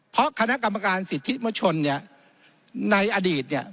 เพราะคณะกรรมการสิทธิประชนในอดีต